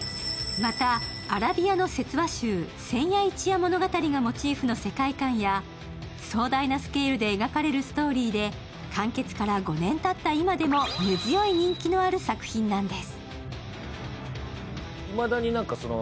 また、アラビアの説話集「千夜一夜物語」がモチーフの世界観や壮大なスケールで描かれるストーリーで完結から５年たった今でも根強い人気のある作品なんです。